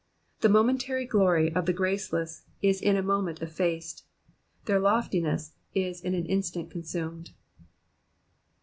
The momentary glory of the graceless is in a moment effaced, their loftiness is in an instant consumed.